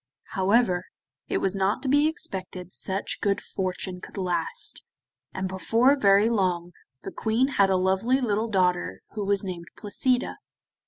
However, it was not to be expected such good fortune could last, and before very long the Queen had a lovely little daughter who was named Placida.